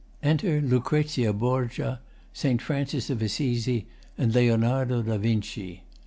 [Enter LUCREZIA BORGIA, ST. FRANCIS OF ASSISI, and LEONARDO DA VINCI.